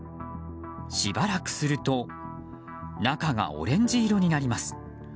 しばらくすると中がオレンジ色になります。